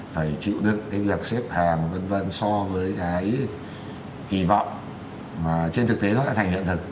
phải chịu đựng cái việc xếp hàng và vân vân so với cái kỳ vọng mà trên thực tế nó đã thành hiện thực